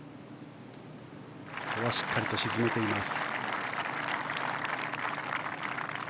ここはしっかりと沈めています。